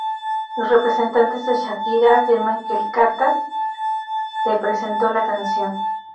Los representantes de Shakira afirman que El Cata le presentó la canción.